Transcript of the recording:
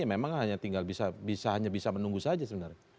memang hanya tinggal bisa menunggu saja sebenarnya